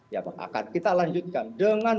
ya akan kita lanjutkan dengan